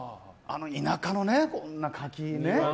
田舎のこんな柿ね。